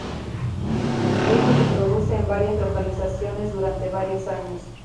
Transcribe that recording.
Esto se produce en varias localizaciones durante varios años.